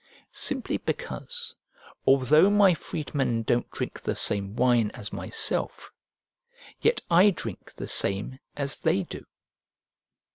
"Simply because, although my freedmen don't drink the same wine as myself, yet I drink the same as they do."